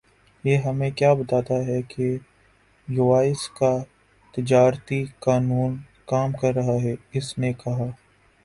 یہ ہمیں کِیا بتاتا ہے کہ یوایس کا تجارتی قانون کام کر رہا ہے اس نے کہا